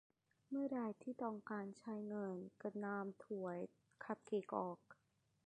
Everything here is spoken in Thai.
เมื่อไรที่ต้องการใช้งานก็นำถ้วยคัพเค้กออก